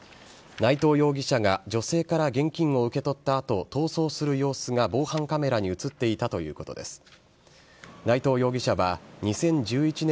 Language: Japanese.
内藤容疑者が女性から現金を受け取ったあと、逃走する様子が防犯カメラに写っていたということです。